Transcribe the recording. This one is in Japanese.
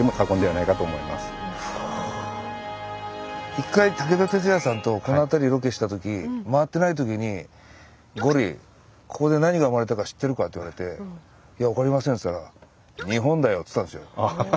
一回武田鉄矢さんとこの辺りロケした時回ってない時に「ゴリここで何が生まれたか知ってるか？」って言われて「いや分かりません」って言ったら「日本だよ！」って言ったんですよ。